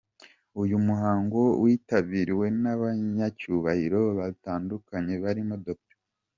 Uyu muhango witabiriwe n’abanyacyubahiro batandukanye barimo Dr.